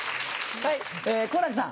はい。